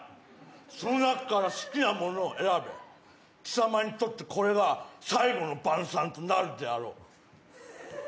その中から好きなものを選べ、貴様にとってこれが最後の晩さんとなるであろう。